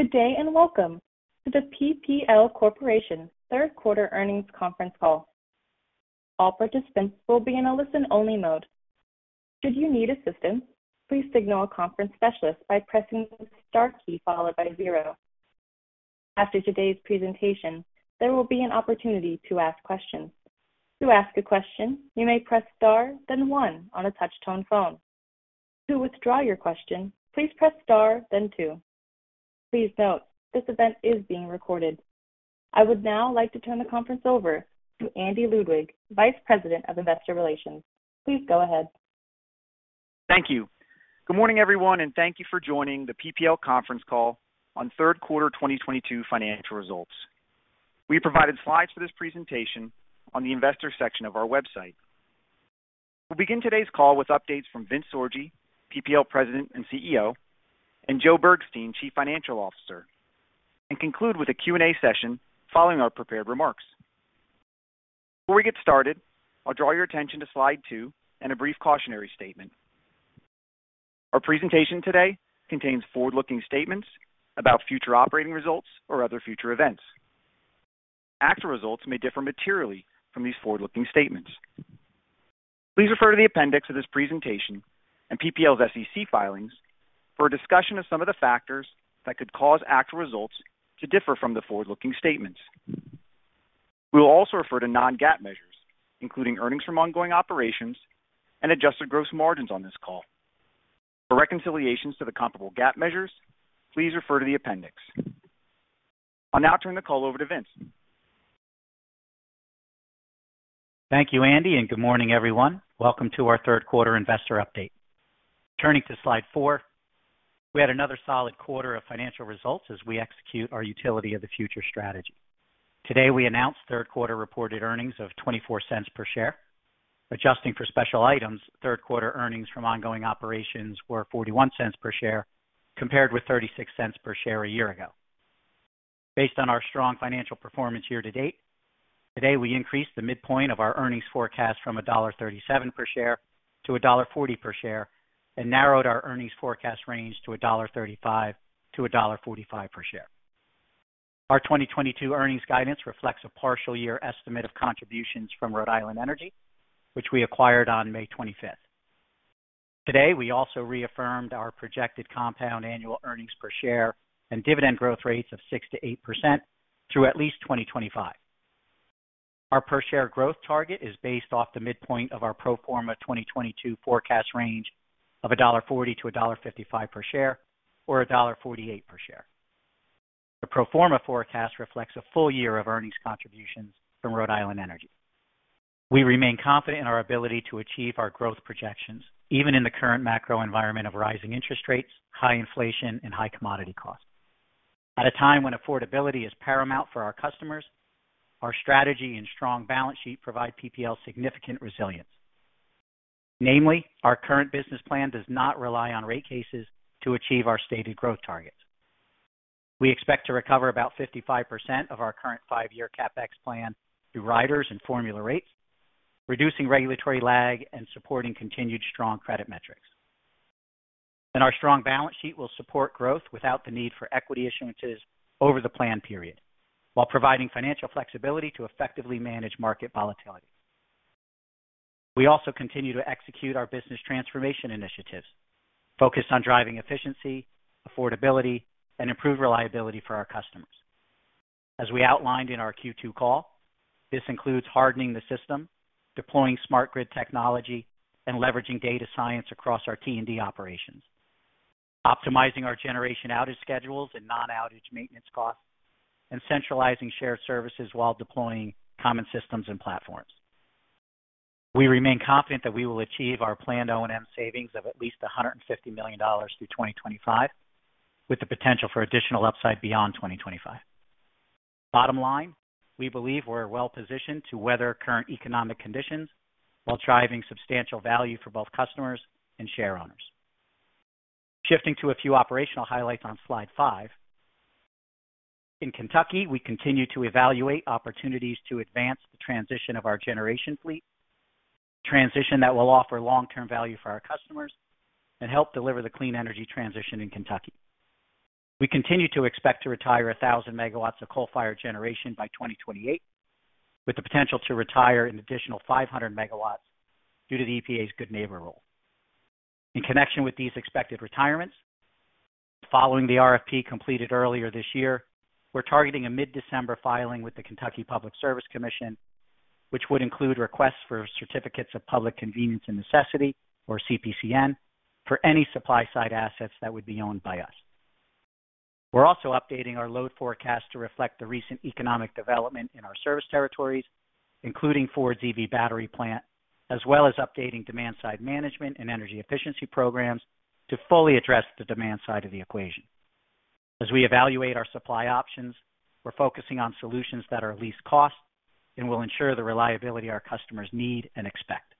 Good day, and welcome to the PPL Corporation third quarter earnings conference call. All participants will be in a listen-only mode. Should you need assistance, please signal a conference specialist by pressing the star key followed by zero. After today's presentation, there will be an opportunity to ask questions. To ask a question, you may press star then one on a touch-tone phone. To withdraw your question, please press star then two. Please note, this event is being recorded. I would now like to turn the conference over to Andy Ludwig, Vice President of Investor Relations. Please go ahead. Thank you. Good morning, everyone, and thank you for joining the PPL conference call on third quarter 2022 financial results. We provided slides for this presentation on the investor section of our website. We'll begin today's call with updates from Vince Sorgi, PPL President and CEO, and Joe Bergstein, Chief Financial Officer, and conclude with a Q&A session following our prepared remarks. Before we get started, I'll draw your attention to Slide 2 and a brief cautionary statement. Our presentation today contains forward-looking statements about future operating results or other future events. Actual results may differ materially from these forward-looking statements. Please refer to the appendix of this presentation and PPL's SEC filings for a discussion of some of the factors that could cause actual results to differ from the forward-looking statements. We will also refer to non-GAAP measures, including earnings from ongoing operations and adjusted gross margins on this call. For reconciliations to the comparable GAAP measures, please refer to the appendix. I'll now turn the call over to Vince. Thank you, Andy, and good morning, everyone. Welcome to our third quarter investor update. Turning to Slide 4. We had another solid quarter of financial results as we execute our utility of the future strategy. Today, we announced third quarter reported earnings of $0.24 per share. Adjusting for special items, third quarter earnings from ongoing operations were $0.41 per share compared with $0.36 per share a year ago. Based on our strong financial performance year to date, today we increased the midpoint of our earnings forecast from $1.37 per share to $1.40 per share and narrowed our earnings forecast range to $1.35-$1.45 per share. Our 2022 earnings guidance reflects a partial year estimate of contributions from Rhode Island Energy, which we acquired on May 25th. Today, we also reaffirmed our projected compound annual earnings per share and dividend growth rates of 6%-8% through at least 2025. Our per share growth target is based off the midpoint of our pro forma 2022 forecast range of $1.40-$1.55 per share or $1.48 per share. The pro forma forecast reflects a full year of earnings contributions from Rhode Island Energy. We remain confident in our ability to achieve our growth projections even in the current macro environment of rising interest rates, high inflation, and high commodity costs. At a time when affordability is paramount for our customers, our strategy and strong balance sheet provide PPL significant resilience. Namely, our current business plan does not rely on rate cases to achieve our stated growth targets. We expect to recover about 55% of our current five-year CapEx plan through riders and formula rates, reducing regulatory lag and supporting continued strong credit metrics. Our strong balance sheet will support growth without the need for equity issuances over the plan period while providing financial flexibility to effectively manage market volatility. We also continue to execute our business transformation initiatives focused on driving efficiency, affordability, and improved reliability for our customers. As we outlined in our Q2 call, this includes hardening the system, deploying smart grid technology, and leveraging data science across our T&D operations, optimizing our generation outage schedules and non-outage maintenance costs, and centralizing shared services while deploying common systems and platforms. We remain confident that we will achieve our planned O&M savings of at least $150 million through 2025, with the potential for additional upside beyond 2025. Bottom line, we believe we're well positioned to weather current economic conditions while driving substantial value for both customers and share owners. Shifting to a few operational highlights on slide five. In Kentucky, we continue to evaluate opportunities to advance the transition of our generation fleet. Transition that will offer long-term value for our customers and help deliver the clean energy transition in Kentucky. We continue to expect to retire 1,000 MW of coal-fired generation by 2028, with the potential to retire an additional 500 MW due to the EPA's Good Neighbor rule. In connection with these expected retirements, following the RFP completed earlier this year, we're targeting a mid-December filing with the Kentucky Public Service Commission, which would include requests for certificates of public convenience and necessity, or CPCN, for any supply-side assets that would be owned by us. We're also updating our load forecast to reflect the recent economic development in our service territories, including Ford's EV battery plant, as well as updating demand side management and energy efficiency programs to fully address the demand side of the equation. As we evaluate our supply options, we're focusing on solutions that are least cost and will ensure the reliability our customers need and expect.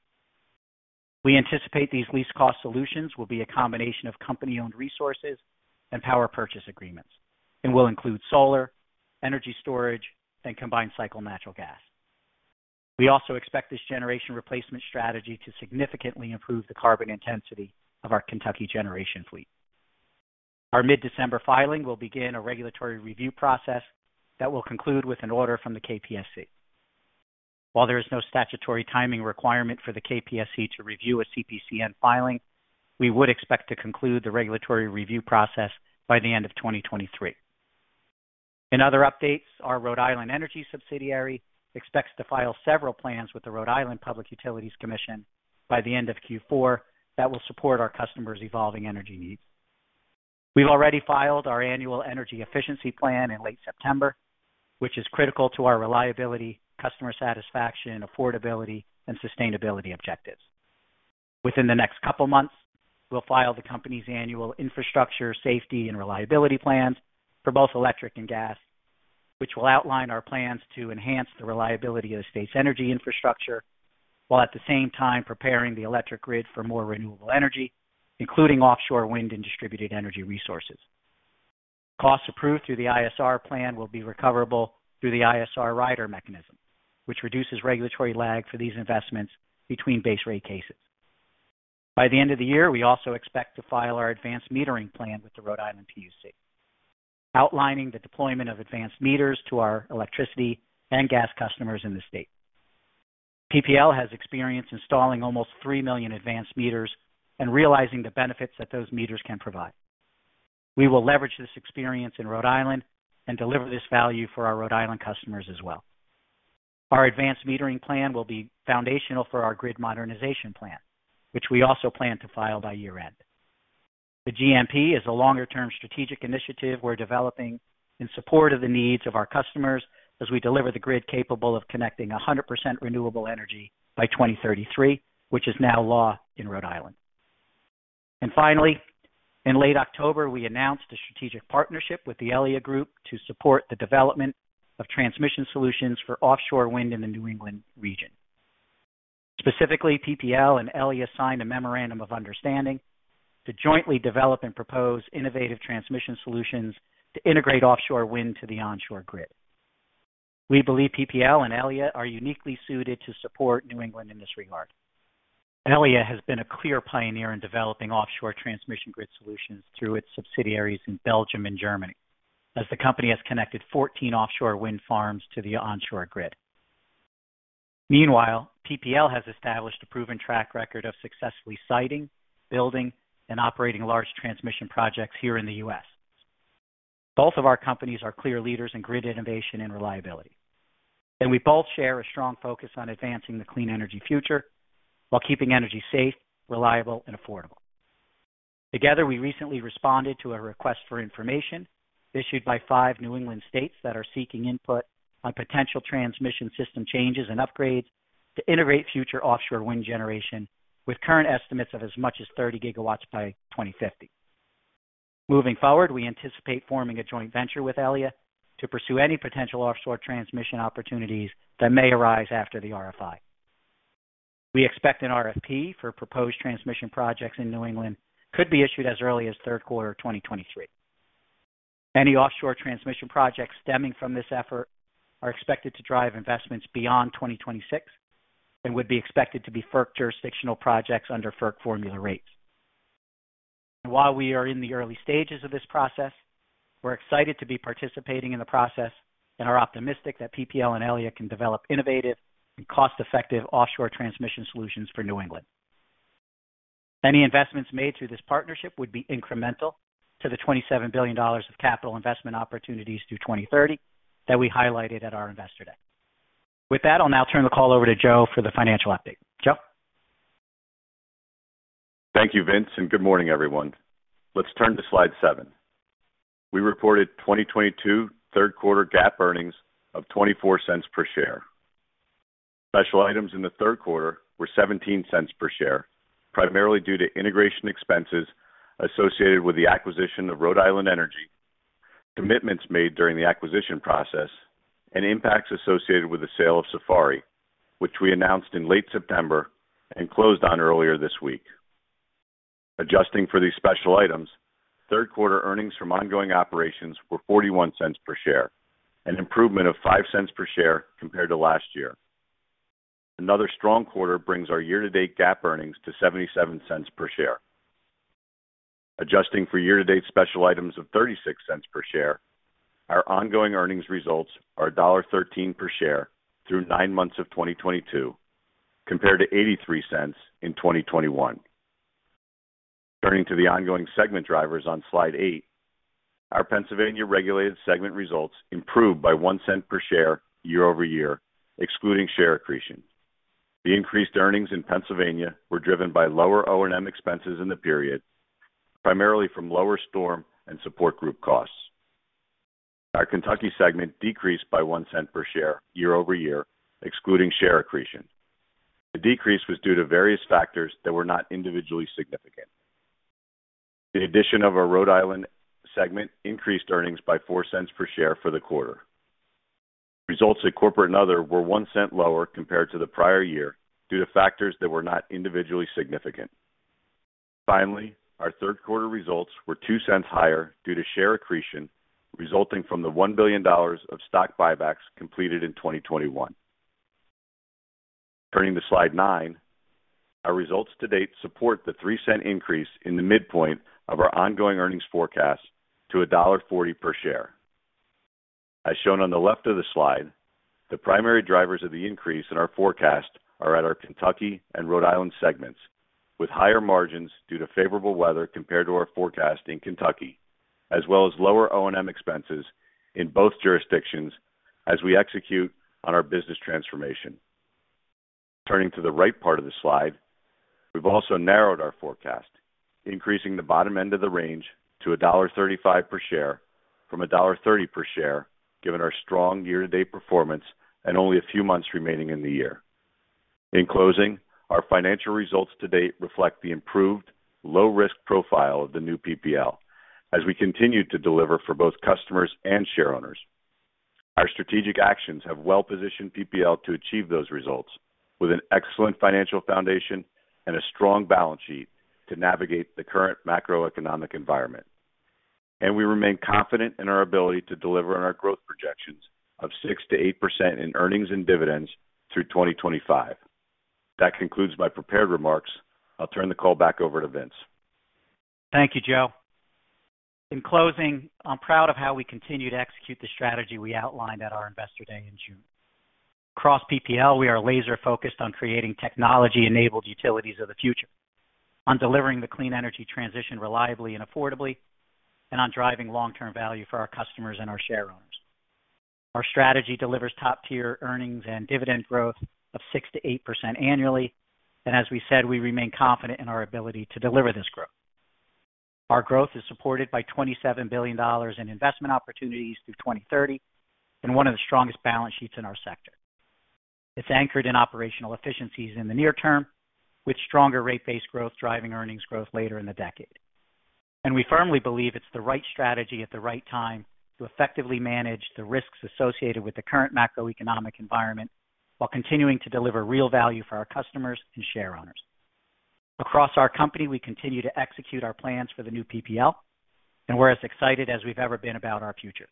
We anticipate these least cost solutions will be a combination of company-owned resources and power purchase agreements, and will include solar, energy storage, and combined cycle natural gas. We also expect this generation replacement strategy to significantly improve the carbon intensity of our Kentucky generation fleet. Our mid-December filing will begin a regulatory review process that will conclude with an order from the KPSC. While there is no statutory timing requirement for the KPSC to review a CPCN filing, we would expect to conclude the regulatory review process by the end of 2023. In other updates, our Rhode Island Energy subsidiary expects to file several plans with the Rhode Island Public Utilities Commission by the end of Q4 that will support our customers' evolving energy needs. We've already filed our annual energy efficiency plan in late September, which is critical to our reliability, customer satisfaction, affordability, and sustainability objectives. Within the next couple months, we'll file the company's annual infrastructure safety and reliability plans for both electric and gas, which will outline our plans to enhance the reliability of the state's energy infrastructure, while at the same time preparing the electric grid for more renewable energy, including offshore wind and distributed energy resources. Costs approved through the ISR plan will be recoverable through the ISR rider mechanism, which reduces regulatory lag for these investments between base rate cases. By the end of the year, we also expect to file our advanced metering plan with the Rhode Island PUC, outlining the deployment of advanced meters to our electricity and gas customers in the state. PPL has experience installing almost 3 million advanced meters and realizing the benefits that those meters can provide. We will leverage this experience in Rhode Island and deliver this value for our Rhode Island customers as well. Our advanced metering plan will be foundational for our grid modernization plan, which w`e also plan to file by year-end. The GMP is a longer-term strategic initiative we're developing in support of the needs of our customers as we deliver the grid capable of connecting 100% renewable energy by 2033, which is now law in Rhode Island. Finally, in late October, we announced a strategic partnership with the Elia Group to support the development of transmission solutions for offshore wind in the New England region. Specifically, PPL and Elia signed a memorandum of understanding to jointly develop and propose innovative transmission solutions to integrate offshore wind to the onshore grid. We believe PPL and Elia are uniquely suited to support New England in this regard. Elia has been a clear pioneer in developing offshore transmission grid solutions through its subsidiaries in Belgium and Germany, as the company has connected 14 offshore wind farms to the onshore grid. Meanwhile, PPL has established a proven track record of successfully siting, building, and operating large transmission projects here in the U.S. Both of our companies are clear leaders in grid innovation and reliability, and we both share a strong focus on advancing the clean energy future while keeping energy safe, reliable, and affordable. Together, we recently responded to a request for information issued by five New England states that are seeking input on potential transmission system changes and upgrades to integrate future offshore wind generation with current estimates of as much as 30 GW by 2050. Moving forward, we anticipate forming a joint venture with Elia to pursue any potential offshore transmission opportunities that may arise after the RFI. We expect an RFP for proposed transmission projects in New England could be issued as early as third quarter 2023. Any offshore transmission projects stemming from this effort are expected to drive investments beyond 2026 and would be expected to be FERC jurisdictional projects under FERC formula rates. While we are in the early stages of this process, we're excited to be participating in the process and are optimistic that PPL and Elia can develop innovative and cost-effective offshore transmission solutions for New England. Any investments made through this partnership would be incremental to the $27 billion of capital investment opportunities through 2030 that we highlighted at our Investor Day. With that, I'll now turn the call over to Joe for the financial update. Joe? Thank you, Vince, and good morning, everyone. Let's turn to Slide 7. We reported 2022 third quarter GAAP earnings of $0.24 per share. Special items in the third quarter were $0.17 per share, primarily due to integration expenses associated with the acquisition of Rhode Island Energy, commitments made during the acquisition process, and impacts associated with the sale of Safari Energy, which we announced in late September and closed on earlier this week. Adjusting for these special items, third quarter earnings from ongoing operations were $0.41 per share, an improvement of $0.05 per share compared to last year. Another strong quarter brings our year-to-date GAAP earnings to $0.77 per share. Adjusting for year-to-date special items of $0.36 per share, our ongoing earnings results are $1.13 per share through nine months of 2022, compared to $0.83 in 2021. Turning to the ongoing segment drivers on Slide 8. Our Pennsylvania regulated segment results improved by $0.01 per share year-over-year, excluding share accretion. The increased earnings in Pennsylvania were driven by lower O&M expenses in the period, primarily from lower storm and support group costs. Our Kentucky segment decreased by $0.01 per share year-over-year, excluding share accretion. The decrease was due to various factors that were not individually significant. The addition of our Rhode Island segment increased earnings by $0.04 per share for the quarter. Results at Corporate and Other were $0.01 lower compared to the prior year due to factors that were not individually significant. Finally, our third quarter results were $0.02 higher due to share accretion resulting from the $1 billion of stock buybacks completed in 2021. Turning to Slide 9. Our results to date support the $0.03 increase in the midpoint of our ongoing earnings forecast to $1.40 per share. As shown on the left of the slide, the primary drivers of the increase in our forecast are at our Kentucky and Rhode Island segments, with higher margins due to favorable weather compared to our forecast in Kentucky, as well as lower O&M expenses in both jurisdictions as we execute on our business transformation. Turning to the right part of the slide, we've also narrowed our forecast, increasing the bottom end of the range to $1.35 per share from $1.30 per share, given our strong year-to-date performance and only a few months remaining in the year. In closing, our financial results to date reflect the improved low risk profile of the new PPL as we continue to deliver for both customers and shareowners. Our strategic actions have well-positioned PPL to achieve those results with an excellent financial foundation and a strong balance sheet to navigate the current macroeconomic environment. We remain confident in our ability to deliver on our growth projections of 6%-8% in earnings and dividends through 2025. That concludes my prepared remarks. I'll turn the call back over to Vince. Thank you, Joe. In closing, I'm proud of how we continue to execute the strategy we outlined at our Investor Day in June. Across PPL, we are laser-focused on creating technology-enabled utilities of the future, on delivering the clean energy transition reliably and affordably, and on driving long-term value for our customers and our shareowners. Our strategy delivers top-tier earnings and dividend growth of 6%-8% annually. As we said, we remain confident in our ability to deliver this growth. Our growth is supported by $27 billion in investment opportunities through 2030 and one of the strongest balance sheets in our sector. It's anchored in operational efficiencies in the near term, with stronger rate-based growth driving earnings growth later in the decade. We firmly believe it's the right strategy at the right time to effectively manage the risks associated with the current macroeconomic environment while continuing to deliver real value for our customers and shareowners. Across our company, we continue to execute our plans for the new PPL, and we're as excited as we've ever been about our future.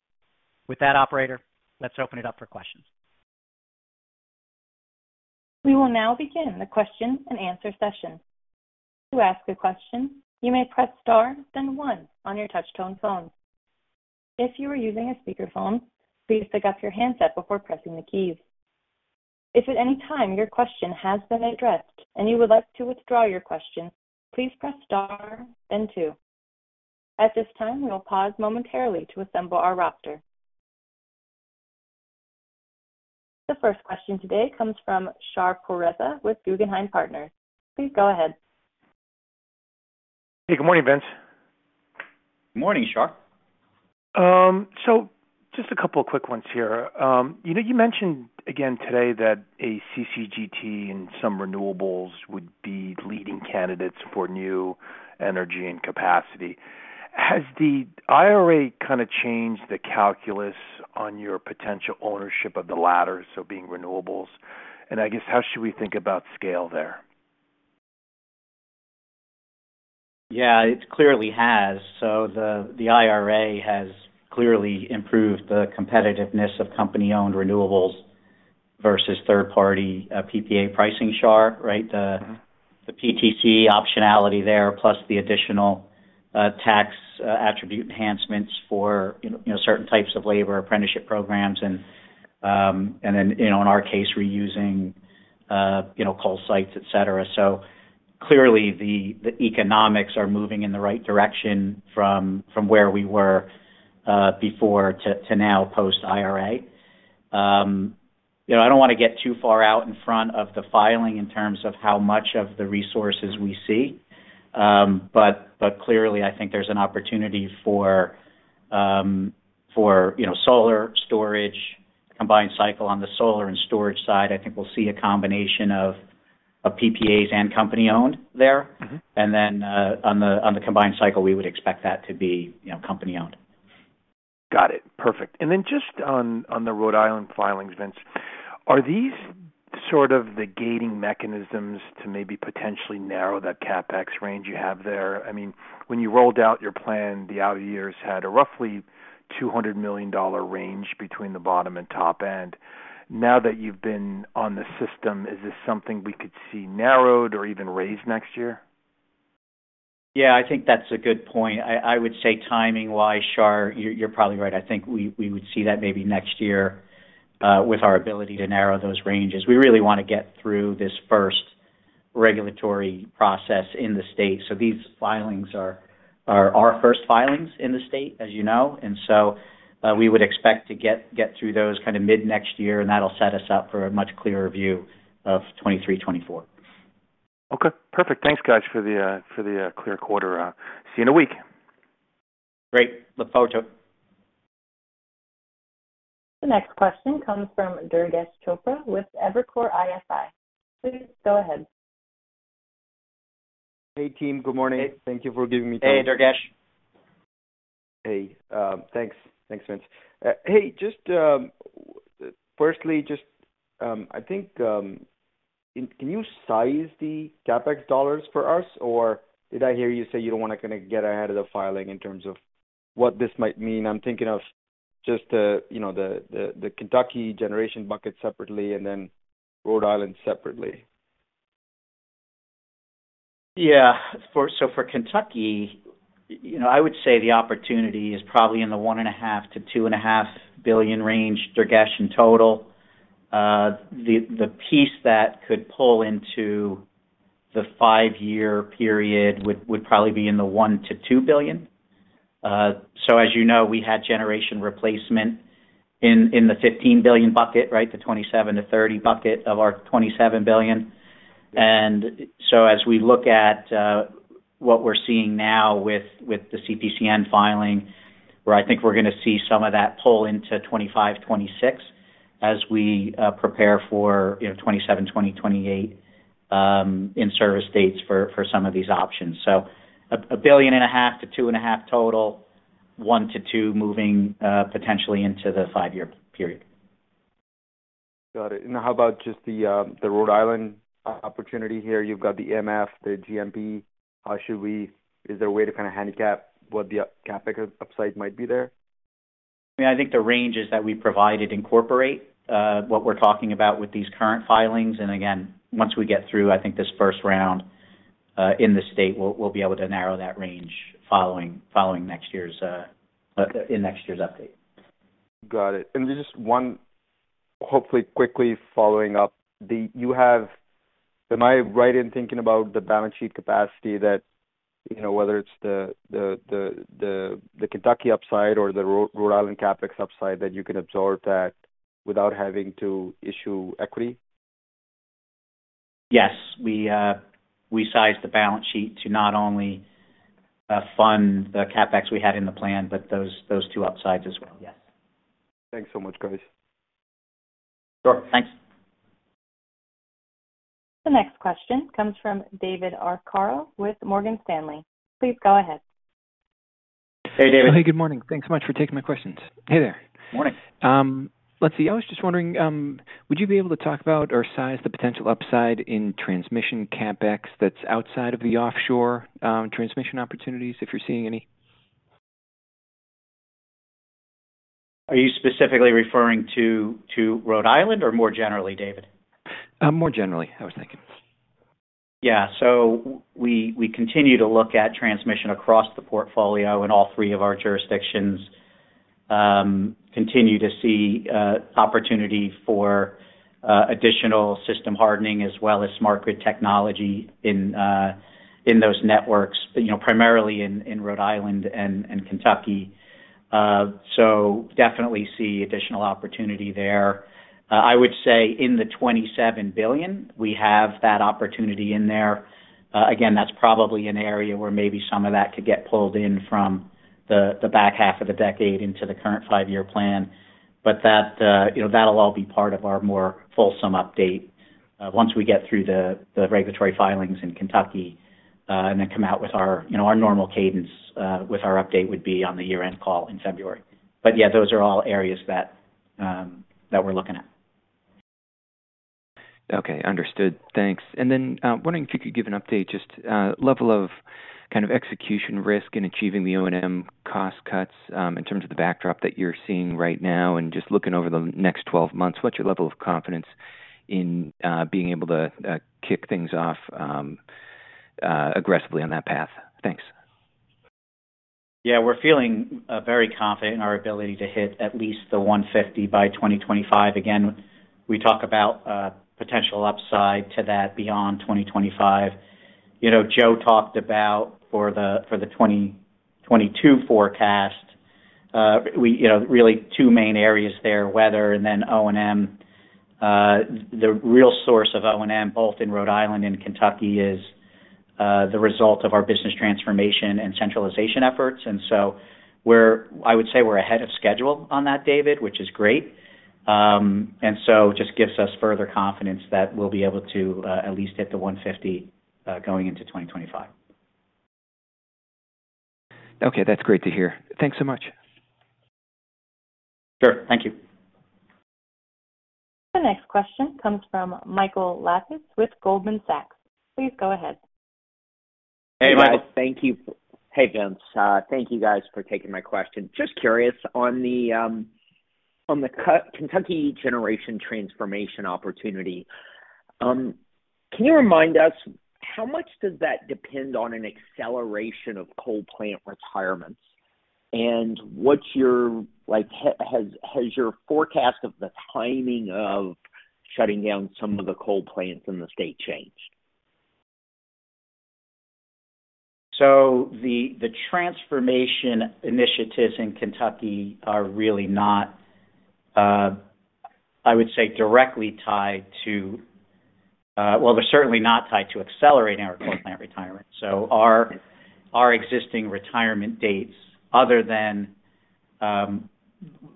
With that, operator, let's open it up for questions. We will now begin the question-and-answer session. To ask a question, you may press star, then one on your touch tone phone. If you are using a speakerphone, please pick up your handset before pressing the keys. If at any time your question has been addressed and you would like to withdraw your question, please press star then two. At this time, we will pause momentarily to assemble our roster. The first question today comes from Shar Pourreza with Guggenheim Partners. Please go ahead. Hey, good morning, Vince. Morning, Shar. Just a couple of quick ones here. You know, you mentioned again today that a CCGT and some renewables would be leading candidates for new energy and capacity. Has the IRA kinda changed the calculus on your potential ownership of the latter, so being renewables? I guess how should we think about scale there? Yeah, it clearly has. The IRA has clearly improved the competitiveness of company-owned renewables versus third-party PPA pricing Shar, right? The PTC optionality there, plus the additional tax attribute enhancements for, you know, certain types of labor apprenticeship programs. Then, you know, in our case, we're using, you know, call sites, et cetera. Clearly the economics are moving in the right direction from where we were before to now post IRA. You know, I don't wanna get too far out in front of the filing in terms of how much of the resources we see. But clearly I think there's an opportunity for, you know, solar storage, combined cycle. On the solar and storage side, I think we'll see a combination of PPAs and company-owned there. Mm-hmm. On the combined cycle, we would expect that to be, you know, company-owned. Got it. Perfect. Just on the Rhode Island filings, Vince, are these sort of the gating mechanisms to maybe potentially narrow that CapEx range you have there? I mean, when you rolled out your plan, the out years had a roughly $200 million range between the bottom and top end. Now that you've been on the system, is this something we could see narrowed or even raised next year? Yeah, I think that's a good point. I would say timing-wise, Shar, you're probably right. I think we would see that maybe next year, with our ability to narrow those ranges. We really wanna get through this first regulatory process in the state. These filings are our first filings in the state, as you know. We would expect to get through those kinda mid-next year, and that'll set us up for a much clearer view of 2023, 2024. Okay. Perfect. Thanks, guys, for the clear quarter. See you in a week. Great. Look forward to it. The next question comes from Durgesh Chopra with Evercore ISI. Please go ahead. Hey, team. Good morning. Thank you for giving me time. Hey, Durgesh. Hey, thanks. Thanks, Vince. Hey, just firstly, just, I think can you size the CapEx dollars for us? Or did I hear you say you don't wanna kinda get ahead of the filing in terms of what this might mean? I'm thinking of just the, you know, the Kentucky generation bucket separately and then Rhode Island separately. For Kentucky, you know, I would say the opportunity is probably in the $1.5 billion-$2.5 billion range, Durgesh, in total. The piece that could pull into the five-year period would probably be in the $1 billion-$2 billion. As you know, we had generation replacement in the $15 billion bucket, right? The $27 billion-$30 billion bucket of our $27 billion. As we look at what we're seeing now with the CPCN filing, where I think we're gonna see some of that pull into 2025, 2026 as we prepare for, you know, 2027, 2028 in service dates for some of these options. $1.5 billion-$2.5 billion total, $1 billion-$2 billion moving potentially into the five-year period. Got it. How about just the Rhode Island opportunity here. You've got the EMF, the GMP. Is there a way to kinda handicap what the CapEx upside might be there? Yeah, I think the ranges that we provided incorporate what we're talking about with these current filings. Again, once we get through, I think, this first round in the state, we'll be able to narrow that range following next year's update. Got it. Just one, hopefully quickly following up. You have. Am I right in thinking about the balance sheet capacity that, you know, whether it's the Kentucky upside or the Rhode Island CapEx upside, that you can absorb that without having to issue equity? Yes. We sized the balance sheet to not only fund the CapEx we had in the plan, but those two upsides as well. Yes. Thanks so much, guys. Sure. Thanks. The next question comes from David Arcaro with Morgan Stanley. Please go ahead. Hey, David. Hey, good morning. Thanks so much for taking my questions. Hey there. Morning. Let's see. I was just wondering, would you be able to talk about or size the potential upside in transmission CapEx that's outside of the offshore, transmission opportunities, if you're seeing any? Are you specifically referring to Rhode Island or more generally, David? More generally, I was thinking. Yeah. We continue to look at transmission across the portfolio in all three of our jurisdictions. Continue to see opportunity for additional system hardening as well as smart technology in those networks, you know, primarily in Rhode Island and Kentucky. Definitely see additional opportunity there. I would say in the $27 billion, we have that opportunity in there. Again, that's probably an area where maybe some of that could get pulled in from the back half of the decade into the current five-year plan. That, you know, that'll all be part of our more fulsome update once we get through the regulatory filings in Kentucky and then come out with our, you know, our normal cadence with our update would be on the year-end call in February. Yeah, those are all areas that we're looking at. Okay. Understood. Thanks. Then, wondering if you could give an update, just, level of kind of execution risk in achieving the O&M cost cuts, in terms of the backdrop that you're seeing right now and just looking over the next twelve months. What's your level of confidence in, being able to, kick things off, aggressively on that path? Thanks. Yeah. We're feeling very confident in our ability to hit at least the $1.50 by 2025. Again, we talk about potential upside to that beyond 2025. You know, Joe talked about for the 2022 forecast, we really two main areas there, weather and then O&M. The real source of O&M, both in Rhode Island and Kentucky, is the result of our business transformation and centralization efforts. I would say we're ahead of schedule on that, David, which is great. Just gives us further confidence that we'll be able to at least hit the $1.50 going into 2025. Okay. That's great to hear. Thanks so much. Sure. Thank you. The next question comes from Michael Lapides with Goldman Sachs. Please go ahead. Hey, Michael. Thank you. Hey, Vince. Thank you guys for taking my question. Just curious on the Kentucky generation transformation opportunity, can you remind us how much does that depend on an acceleration of coal plant retirements? What's your like, has your forecast of the timing of shutting down some of the coal plants in the state changed? The transformation initiatives in Kentucky are really not, I would say, directly tied to. Well, they're certainly not tied to accelerating our coal plant retirement. Our existing retirement dates, other than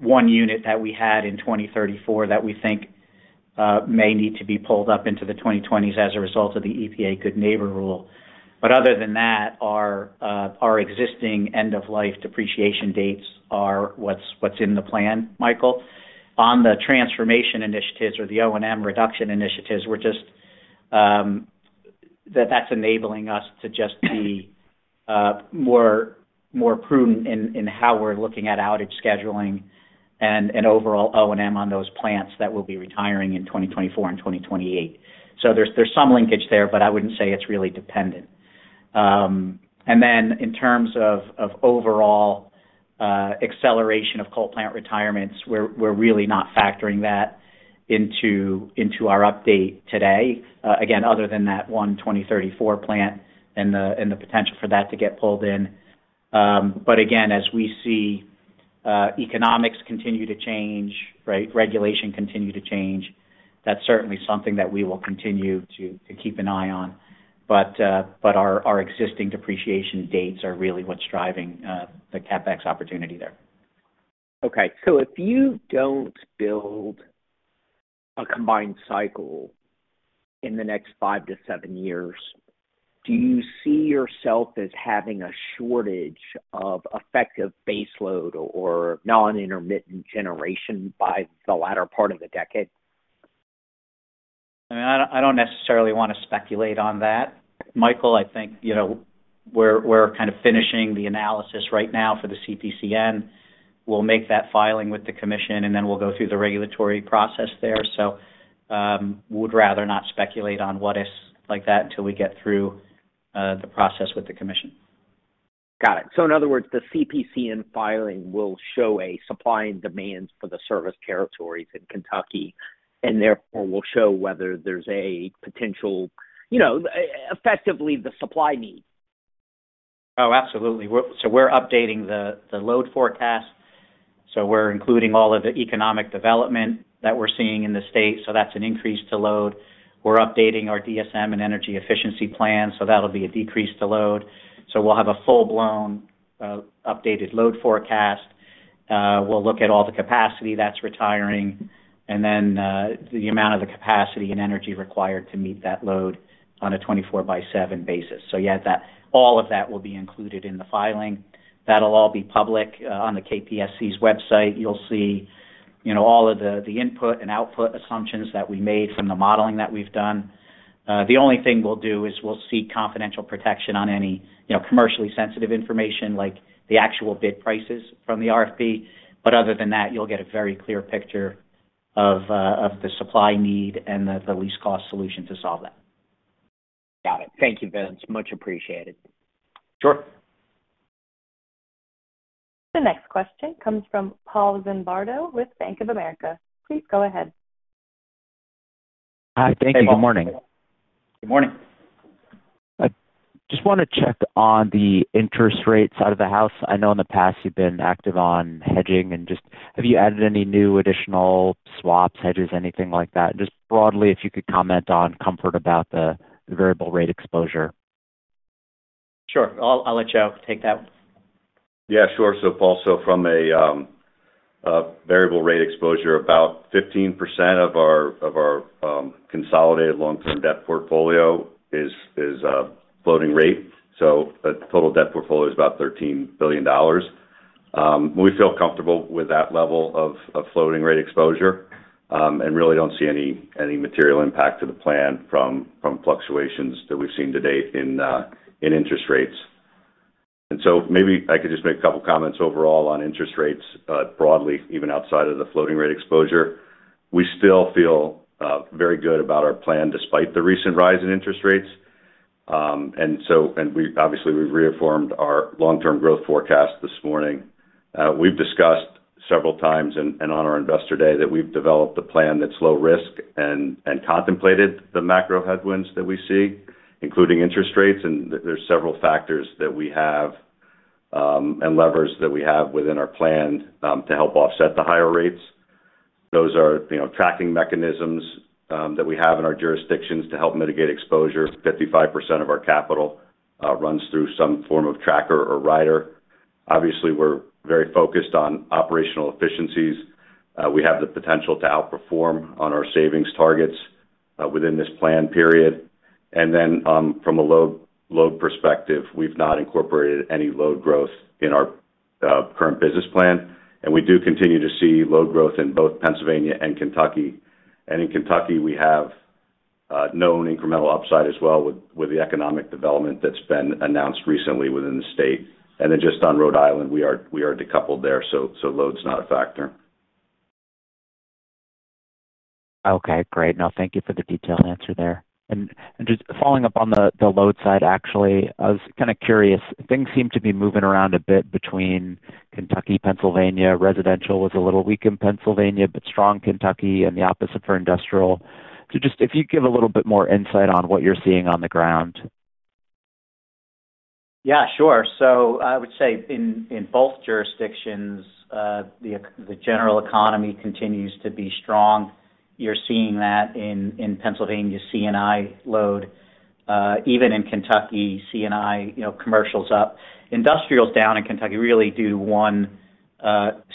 one unit that we had in 2034 that we think may need to be pulled up into the 2020s as a result of the EPA Good Neighbor rule. Other than that, our existing end of life depreciation dates are what's in the plan, Michael. On the transformation initiatives or the O&M reduction initiatives, we're just that that's enabling us to just be more prudent in how we're looking at outage scheduling and overall O&M on those plants that we'll be retiring in 2024 and 2028. There's some linkage there, but I wouldn't say it's really dependent. Then in terms of overall acceleration of coal plant retirements, we're really not factoring that into our update today. Again, other than that one 2034 plant and the potential for that to get pulled in. Again, as we see economics continue to change, right? Regulations continue to change, that's certainly something that we will continue to keep an eye on. Our existing depreciation dates are really what's driving the CapEx opportunity there. Okay. If you don't build a combined cycle in the next five-seven years, do you see yourself as having a shortage of effective base load or non-intermittent generation by the latter part of the decade? I don't necessarily want to speculate on that, Michael. I think, you know, we're kind of finishing the analysis right now for the CPCN. We'll make that filing with the commission, and then we'll go through the regulatory process there. Would rather not speculate on what if's like that until we get through the process with the commission. Got it. In other words, the CPCN filing will show a supply and demand for the service territories in Kentucky, and therefore will show whether there's a potential, you know, effectively the supply need. Oh, absolutely. We're updating the load forecast. We're including all of the economic development that we're seeing in the state. That's an increase to load. We're updating our DSM and energy efficiency plan, so that'll be a decrease to load. We'll have a full-blown updated load forecast. We'll look at all the capacity that's retiring, and then the amount of the capacity and energy required to meet that load on a 24 by 7 basis. Yeah, all of that will be included in the filing. That'll all be public on the KPSC's website. You'll see, you know, all of the input and output assumptions that we made from the modeling that we've done. The only thing we'll do is we'll seek confidential protection on any, you know, commercially sensitive information like the actual bid prices from the RFP. Other than that, you'll get a very clear picture of the supply need and the least cost solution to solve that. Got it. Thank you, Vince. Much appreciated. Sure. The next question comes from Paul Zimbardo with Bank of America. Please go ahead. Hi. Thank you. Good morning. Good morning. I just want to check on the interest rate side of the house. I know in the past you've been active on hedging and just have you added any new additional swaps, hedges, anything like that? Just broadly, if you could comment on comfort about the variable rate exposure. Sure. I'll let Joe take that one. Yeah, sure. Paul, from a variable rate exposure, about 15% of our consolidated long-term debt portfolio is floating rate. The total debt portfolio is about $13 billion. We feel comfortable with that level of floating rate exposure and really don't see any material impact to the plan from fluctuations that we've seen to date in interest rates. Maybe I could just make a couple comments overall on interest rates broadly, even outside of the floating rate exposure. We still feel very good about our plan despite the recent rise in interest rates. Obviously, we've reformed our long-term growth forecast this morning. We've discussed several times and on our investor day that we've developed a plan that's low risk and contemplated the macro headwinds that we see, including interest rates. There's several factors that we have and levers that we have within our plan to help offset the higher rates. Those are, you know, tracking mechanisms that we have in our jurisdictions to help mitigate exposure. 55% of our capital runs through some form of tracker or rider. Obviously, we're very focused on operational efficiencies. We have the potential to outperform on our savings targets within this plan period. Then, from a load perspective, we've not incorporated any load growth in our current business plan. We do continue to see load growth in both Pennsylvania and Kentucky. In Kentucky, we have known incremental upside as well with the economic development that's been announced recently within the state. Just on Rhode Island, we are decoupled there, so load's not a factor. Okay, great. No, thank you for the detailed answer there. Just following up on the load side, actually, I was kind of curious. Things seem to be moving around a bit between Kentucky and Pennsylvania. Residential was a little weak in Pennsylvania, but strong in Kentucky and the opposite for industrial. Just if you could give a little bit more insight on what you're seeing on the ground. Yeah, sure. I would say in both jurisdictions, the general economy continues to be strong. You're seeing that in Pennsylvania C&I load. Even in Kentucky, C&I, you know, commercial's up. Industrial's down in Kentucky really due to one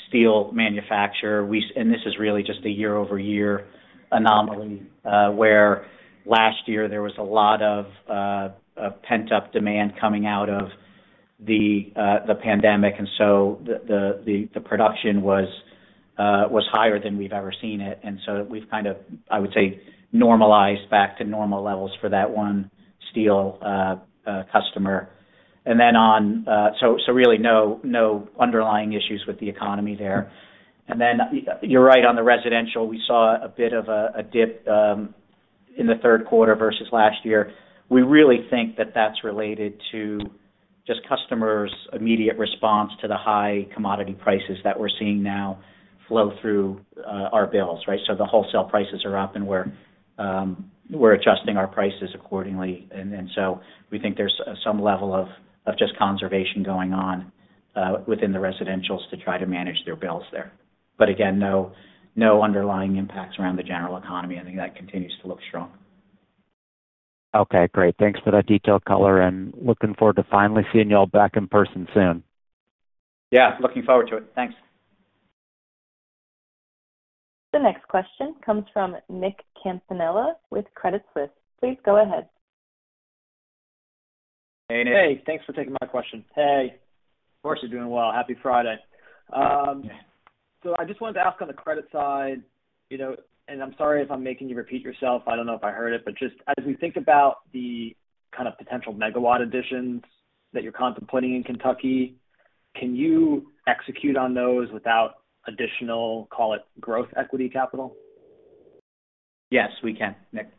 steel manufacturer. This is really just a year-over-year anomaly, where last year there was a lot of pent-up demand coming out of the pandemic. The production was higher than we've ever seen it. We've kind of, I would say, normalized back to normal levels for that one steel customer. Really no underlying issues with the economy there. You're right on the residential. We saw a bit of a dip in the third quarter versus last year. We really think that that's related to just customers' immediate response to the high commodity prices that we're seeing now flow through our bills, right? The wholesale prices are up, and we're adjusting our prices accordingly. We think there's some level of just conservation going on within the residentials to try to manage their bills there. Again, no underlying impacts around the general economy. I think that continues to look strong. Okay, great. Thanks for that detailed color, and looking forward to finally seeing you all back in person soon. Yeah, looking forward to it. Thanks. The next question comes from Nick Campanella with Credit Suisse. Please go ahead. Hey, Nick. Hey, thanks for taking my question. Hey. Of course you're doing well. Happy Friday. I just wanted to ask on the credit side, you know, and I'm sorry if I'm making you repeat yourself. I don't know if I heard it, but just as we think about the kind of potential megawatt additions that you're contemplating in Kentucky, can you execute on those without additional, call it, growth equity capital? Yes, we can, Nick.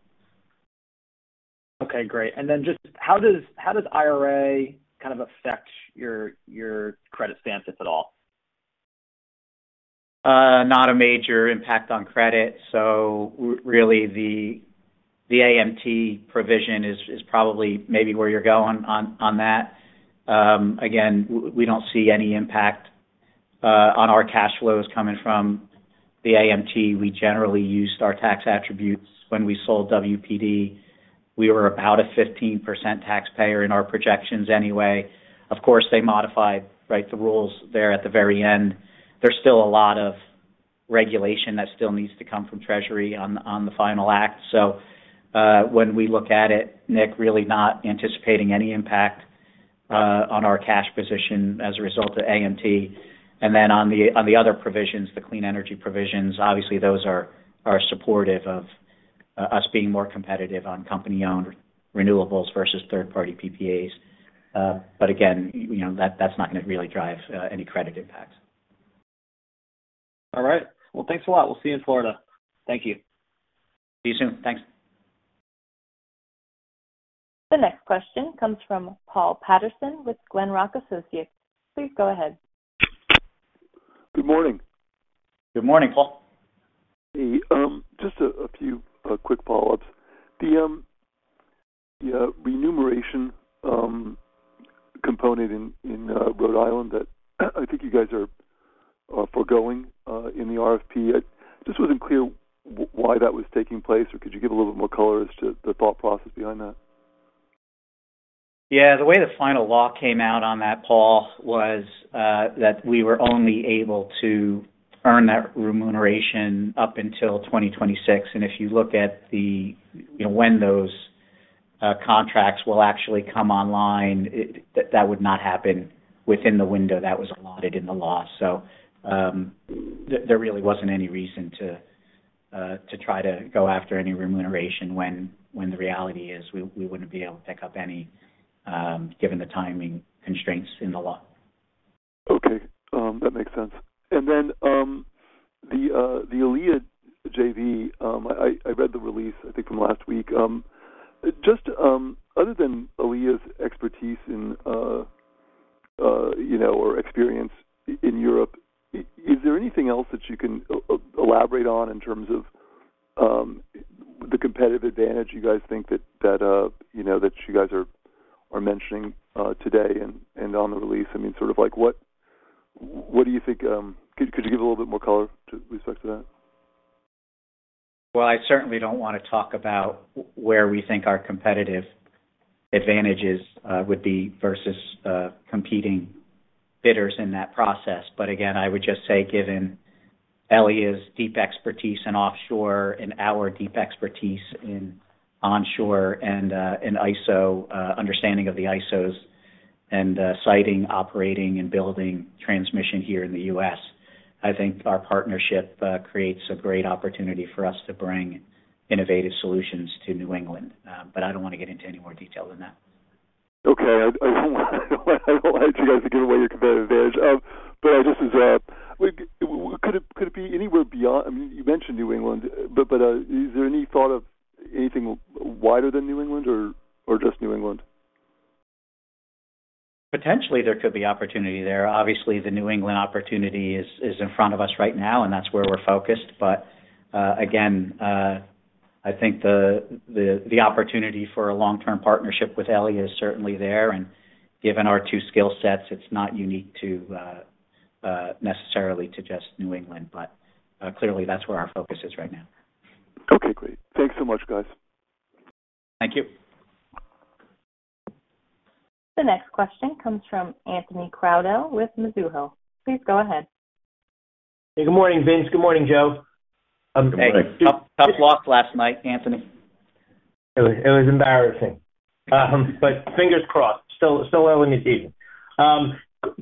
Okay, great. Just how does IRA kind of affect your credit stance, if at all? Not a major impact on credit. Really the AMT provision is probably maybe where you're going on that. Again, we don't see any impact on our cash flows coming from the AMT. We generally used our tax attributes when we sold WPD. We were about a 15% taxpayer in our projections anyway. Of course, they modified, right, the rules there at the very end. There's still a lot of regulation that still needs to come from Treasury on the final act. When we look at it, Nick, really not anticipating any impact on our cash position as a result of AMT. Then on the other provisions, the clean energy provisions, obviously those are supportive of us being more competitive on company-owned renewables versus third-party PPAs. Again, you know, that's not gonna really drive any credit impacts. All right. Well, thanks a lot. We'll see you in Florida. Thank you. See you soon. Thanks. The next question comes from Paul Patterson with Glenrock Associates. Please go ahead. Good morning. Good morning, Paul. Just a few quick follow-ups. The remuneration component in Rhode Island that I think you guys are foregoing in the RFP. I just wasn't clear why that was taking place. Could you give a little bit more color as to the thought process behind that? Yeah. The way the final law came out on that, Paul, was that we were only able to earn that remuneration up until 2026. If you look at the, you know, when those contracts will actually come online, that would not happen within the window that was allotted in the law. There really wasn't any reason to try to go after any remuneration when the reality is we wouldn't be able to pick up any, given the timing constraints in the law. Okay. That makes sense. Then, the Elia JV, I read the release, I think from last week. Just, other than Elia's expertise in, you know, or experience in Europe, is there anything else that you can elaborate on in terms of, the competitive advantage you guys think that, you know, that you guys are mentioning, today and on the release? I mean, sort of like what do you think, could you give a little bit more color to with respect to that? Well, I certainly don't wanna talk about where we think our competitive advantages would be versus competing bidders in that process. Again, I would just say, given Elia's deep expertise in offshore and our deep expertise in onshore and in ISO understanding of the ISOs and siting, operating, and building transmission here in the U.S., I think our partnership creates a great opportunity for us to bring innovative solutions to New England. I don't wanna get into any more detail than that. Okay. I don't want you guys to give away your competitive advantage. Could it be anywhere beyond, I mean, you mentioned New England, but is there any thought of anything wider than New England or just New England? Potentially, there could be opportunity there. Obviously, the New England opportunity is in front of us right now, and that's where we're focused. Again, I think the opportunity for a long-term partnership with Elia is certainly there, and given our two skill sets, it's not unique to necessarily to just New England, but clearly that's where our focus is right now. Okay, great. Thanks so much, guys. Thank you. The next question comes from Anthony Crowdell with Mizuho. Please go ahead. Hey, good morning, Vince. Good morning, Joe. Hey. Tough loss last night, Anthony. It was embarrassing. Fingers crossed. Still an early season.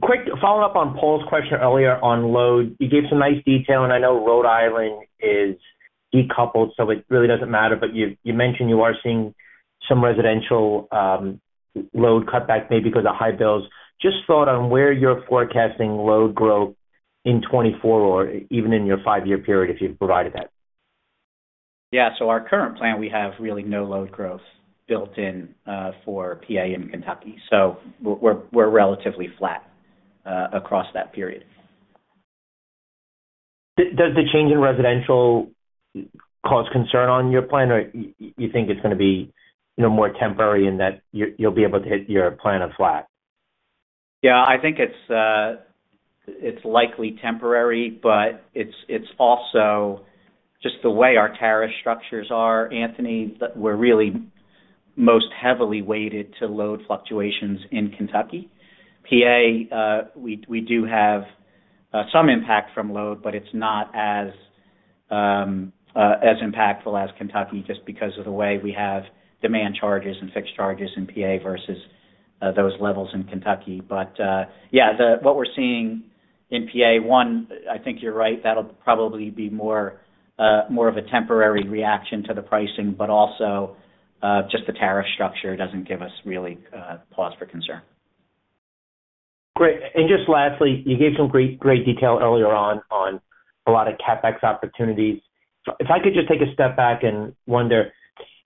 Quick follow-up on Paul's question earlier on load. You gave some nice detail, and I know Rhode Island is decoupled, so it really doesn't matter, but you mentioned you are seeing some residential load cut back, maybe because of high bills. Just thought on where you're forecasting load growth in 2024 or even in your five-year period, if you've provided that. Yeah. Our current plan, we have really no load growth built in for PA and Kentucky. We're relatively flat across that period. Does the change in residential cause concern on your plan, or you think it's gonna be, you know, more temporary and that you'll be able to hit your plan of flat? Yeah. I think it's likely temporary, but it's also just the way our tariff structures are, Anthony, that we're really most heavily weighted to load fluctuations in Kentucky. PA, we do have some impact from load, but it's not as impactful as Kentucky just because of the way we have demand charges and fixed charges in PA versus those levels in Kentucky. What we're seeing in PA, one, I think you're right, that'll probably be more of a temporary reaction to the pricing, but also just the tariff structure doesn't give us really cause for concern. Great. Just lastly, you gave some great detail earlier on a lot of CapEx opportunities. If I could just take a step back and wonder,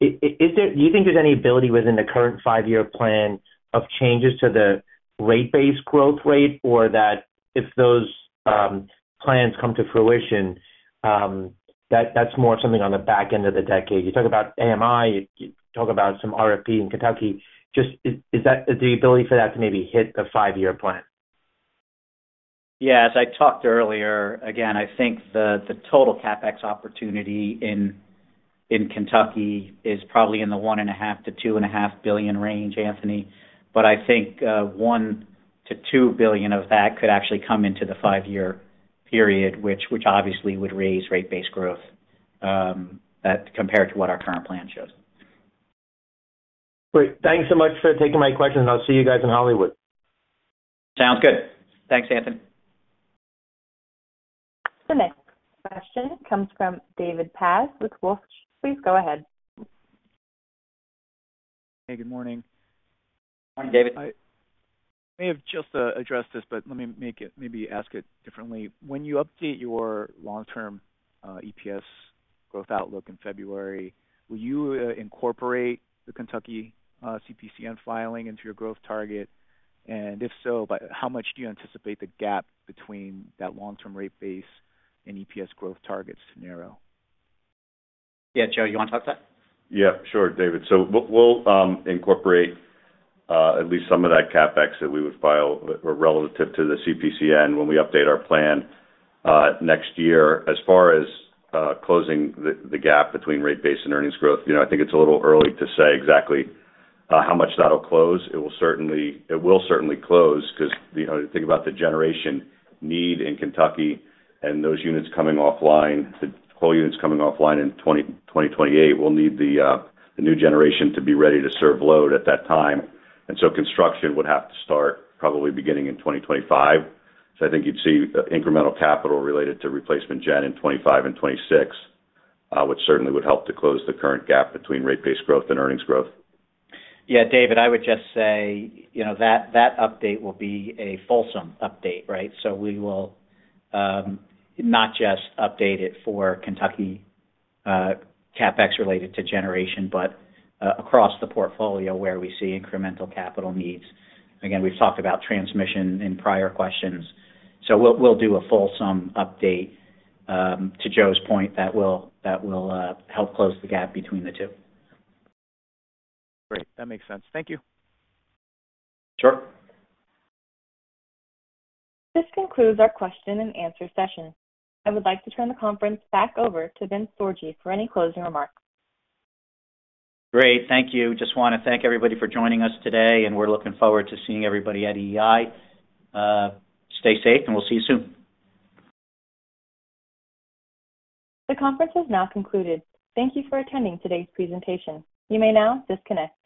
do you think there's any ability within the current five-year plan of changes to the rate base growth rate? That if those plans come to fruition, that's more something on the back end of the decade. You talk about AMI, you talk about some RFP in Kentucky. Just, is that the ability for that to maybe hit the five-year plan? Yeah. As I talked earlier, again, I think the total CapEx opportunity in Kentucky is probably in the $1.5 billion-$2.5 billion range, Anthony. I think $1 billion-$2 billion of that could actually come into the five-year period, which obviously would raise rate base growth compared to what our current plan shows. Great. Thanks so much for taking my questions. I'll see you guys in Hollywood. Sounds good. Thanks, Anthony. The next question comes from David Paz with Wolfe. Please go ahead. Hey, good morning. Morning, David. I may have just addressed this, but let me ask it differently. When you update your long-term EPS growth outlook in February, will you incorporate the Kentucky CPCN filing into your growth target? And if so, by how much do you anticipate the gap between that long-term rate base and EPS growth targets to narrow? Yeah. Joe, you wanna talk to that? Yeah, sure, David. We'll incorporate at least some of that CapEx that we would file or relative to the CPCN when we update our plan next year. As far as closing the gap between rate base and earnings growth, you know, I think it's a little early to say exactly how much that'll close. It will certainly close 'cause, you know, think about the generation need in Kentucky and those units coming offline, the coal units coming offline in 2028. We'll need the new generation to be ready to serve load at that time. Construction would have to start probably beginning in 2025. I think you'd see incremental capital related to replacement gen in 2025 and 2026, which certainly would help to close the current gap between rate base growth and earnings growth. Yeah, David, I would just say, you know, that update will be a fulsome update, right? So we will not just update it for Kentucky, CapEx related to generation, but across the portfolio where we see incremental capital needs. Again, we've talked about transmission in prior questions. We'll do a fulsome update, to Joe's point, that will help close the gap between the two. Great. That makes sense. Thank you. Sure. This concludes our question and answer session. I would like to turn the conference back over to Vince Sorgi for any closing remarks. Great. Thank you. Just wanna thank everybody for joining us today, and we're looking forward to seeing everybody at EEI. Stay safe, and we'll see you soon. The conference has now concluded. Thank you for attending today's presentation. You may now disconnect.